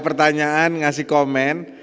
pertanyaan ngasih komen